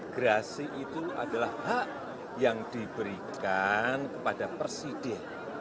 gerasi itu adalah hak yang diberikan kepada presiden